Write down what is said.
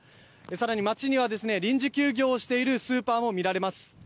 更に、街には臨時休業しているスーパーも見られます。